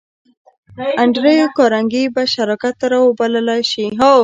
انډريو کارنګي به شراکت ته را وبللای شې؟